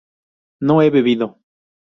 ¿no he bebido?